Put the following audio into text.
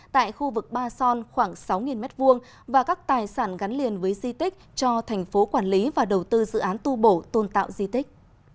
tại khu vực ba son khoảng sáu m hai và các tài sản gắn liền với di tích cho tp hcm và đầu tư dự án tu bổ tôn tạo di tích